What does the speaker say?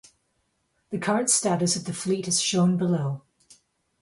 The current status of the fleet is shown below.